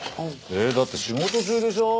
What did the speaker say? えっ？だって仕事中でしょ。